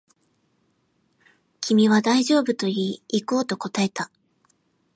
君は大丈夫と言い、行こうと答えた